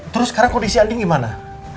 terus sekarang kondisi aldi gimana